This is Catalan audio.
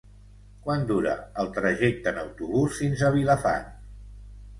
Quant dura el trajecte en autobús fins a Vilafant?